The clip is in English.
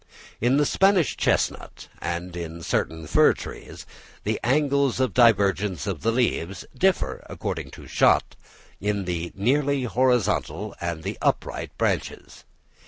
In the Spanish chestnut, and in certain fir trees, the angles of divergence of the leaves differ, according to Schacht, in the nearly horizontal and in the upright branches.